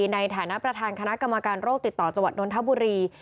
ในฐานะประธานคณะกรรมการโรคติดต่อจังหวัดนทบุรี